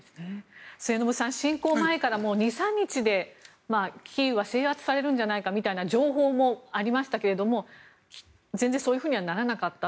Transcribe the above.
末延さん、侵攻前から２３日でキーウは制圧されるんじゃないかみたいな情報もありましたけれども全然、そういうふうにはならなかった。